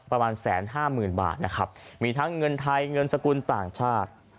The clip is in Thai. ประมาณแสนห้าหมื่นบาทนะครับมีทั้งเงินไทยเงินสกุลต่างชาติ